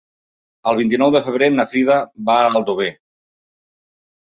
El vint-i-nou de febrer na Frida va a Aldover.